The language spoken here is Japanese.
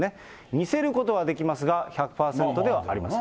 似せることはできますが、１００％ではありません。